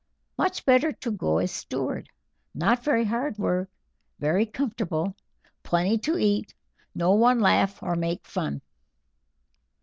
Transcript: Much better go as steward; not very hard work; very comfortable; plenty to eat; no one laugh or make fun."